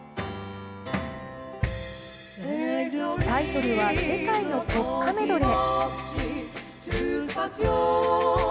タイトルは「世界の国歌メドレー」。